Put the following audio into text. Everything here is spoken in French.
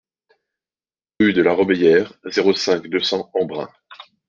Rue de la Robéyère, zéro cinq, deux cents Embrun